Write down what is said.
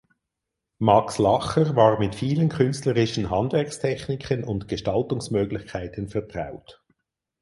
Max Lacher war mit vielen künstlerischen Handwerkstechniken und Gestaltungsmöglichkeiten vertraut.